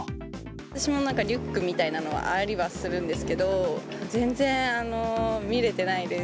私もなんか、リュックみたいなのはありはするんですけど、全然見れてないです。